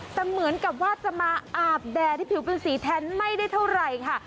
แต่เหมือนกับว่าจะมาอาบแดดที่ผิวเป็นสีแทนไม่ได้เท่าไหร่ค่ะ